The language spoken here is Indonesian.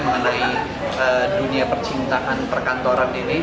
mengenai dunia percintaan perkantoran ini